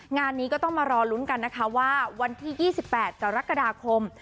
งานนี้ก็ต้องมารอลุ้นกันนะคะว่าวันที่๒๘กรกฎาคม